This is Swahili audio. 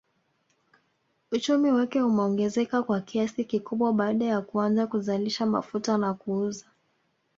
Uchumi wake umeongezeka kwa kiasi kikubwa baada ya kuanza kuzalisha mafuta na kuuza